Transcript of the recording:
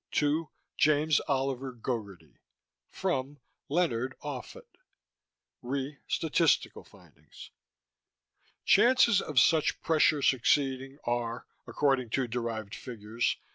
TO: James Oliver Gogarty FROM: Leonard Offutt RE: Statistical findings Chances of such pressure succeeding are, according to derived figures, 37%.